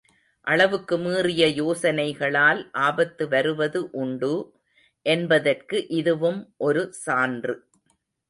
அளவுக்கு மீறிய யோசனைகளால் ஆபத்து வருவது உண்டு —என்பதற்கு இதுவும் ஒரு சான்று.